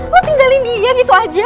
lu tinggalin dia gitu aja